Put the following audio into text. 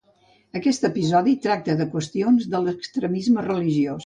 Aquest episodi tracta qüestions de l'extremisme religiós.